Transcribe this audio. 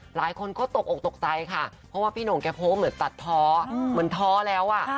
หลายคนก็ตกอกตกใจค่ะเพราะว่าพี่หน่งแกโพสต์เหมือนตัดท้อเหมือนท้อแล้วอ่ะ